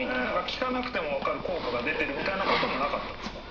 聞かなくても分かる効果が出てるみたいなこともなかったんすか？